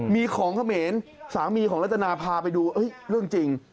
มีของเขมรสามีของรัตนาพาไปดูเรื่องจริง